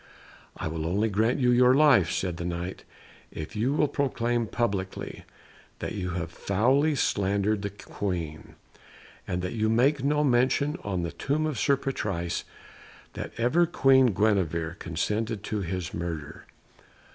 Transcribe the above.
"I will only grant you your life," said the Knight, "if you will proclaim publicly that you have foully slandered the Queen, and that you make no mention, on the tomb of Sir Patrise, that ever Queen Guenevere consented to his murder."